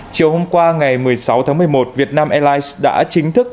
chiều hôm qua ngày một mươi sáu tháng một mươi một việt nam airlines đã chính thức